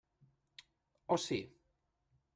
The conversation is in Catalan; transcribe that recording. O sí?